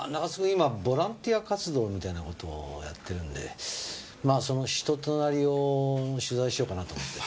今ボランティア活動みたいな事をやってるんでまぁその人となりを取材しようかなと思って。